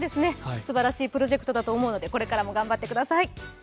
すばらしいプロジェクトだと思うのでこれからも頑張ってください。